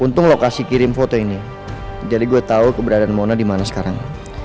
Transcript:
untung lo kasih kirim foto ini jadi gue tau keberadaan mona dimana sekarang